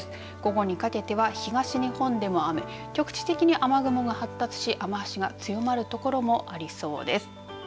午後にかけては東日本でも雨局地的に雨雲が発達し雨足が強まる所もありそうです。